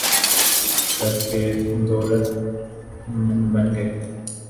کر کے دولتمند بن گئے